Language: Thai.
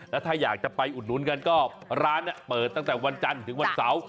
แล้วถ้าอยากจะไปอุดหนุนกันก็ร้านเปิดตั้งแต่วันจันทร์ถึงวันเสาร์